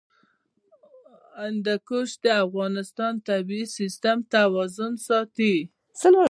هندوکش د افغانستان د طبعي سیسټم توازن ساتي.